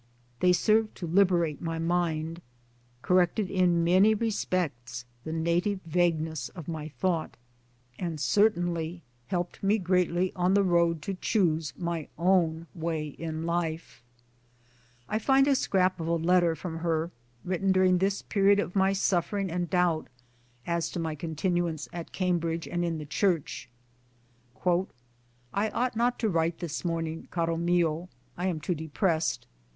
They served to liberate my mind, corrected in many respects the native vagueness of my thought, 1 " Francesca/' in Sketches from Life. 7Q MY DAYS AND DREAMS and certainly helped me greatly on the road to choose my own way in life. I find a scrap of a letter from her, written during this period of my suffering and doubt as to my continuance at Cambridge and in the Church : "I ought not to write this morning, caro mio, I am too depressed.